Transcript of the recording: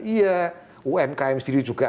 iya umkm sendiri juga